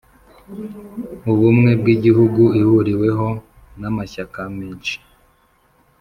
ubumwe bw'igihugu ihuriweho n'amashyaka menshi,